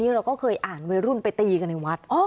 เราก็เคยอ่านวัยรุ่นไปตีกันในวัด